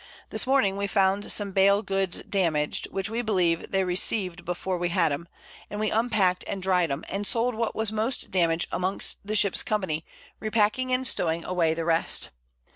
This Morning we found some Bail Goods damaged, which we believe they received before we had 'em; we unpack'd and dry'd 'em, and sold what was most damaged amongst the Ships Company, repacking and stowing away the rest.